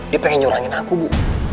dia pengen nyurangin aku bu